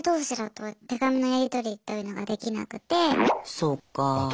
そっかあ。